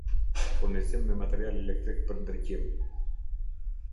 Furnizim me material elektrik për ndriqim